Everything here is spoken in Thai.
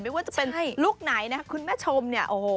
ไม่ว่าจะเป็นลูกไหนนะคุณแม่ชมเนี่ยโอ้โห